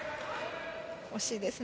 惜しいですね。